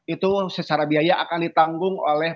itu secara biaya akan ditanggung oleh